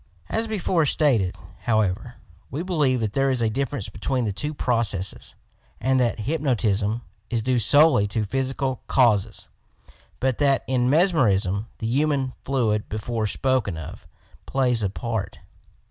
25S YOUR PSYCHIC POWERS As before stated, however, we believe that there is a difference between the two processes, and that hypnotism is due solely to psychical causes, but that, in mesmerism, the human fluid before spoken of, plays a part.